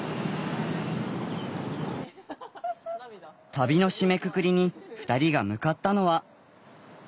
旅の締めくくりに２人が向かったのは。